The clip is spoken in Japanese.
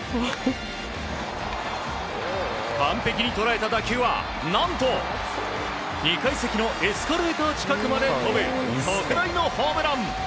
完璧に捉えた打球は何と２階席のエスカレーター近くまで飛ぶ特大のホームラン！